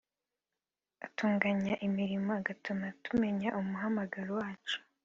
Atuganya imirimo agatuma tumenya umuhamagaro wacu